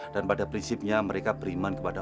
dan pada prinsipnya mereka beriman kepada